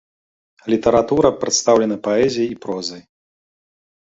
Літаратура прадстаўлена паэзіяй і прозай.